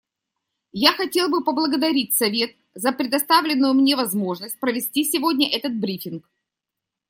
Я хотел бы поблагодарить Совет за предоставленную мне возможность провести сегодня этот брифинг.